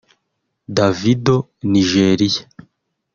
Davido(Nigeria)